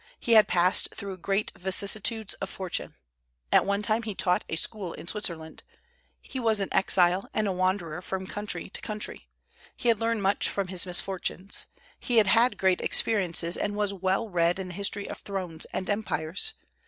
He had passed through great vicissitudes of fortune. At one time he taught a school in Switzerland. He was an exile and a wanderer from country to country. He had learned much from his misfortunes; he had had great experiences, and was well read in the history of thrones and empires.